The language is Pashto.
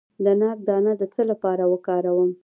د ناک دانه د څه لپاره وکاروم؟